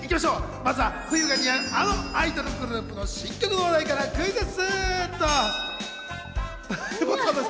まずは冬が似合う、あのアイドルグループの新曲の話題からクイズッス！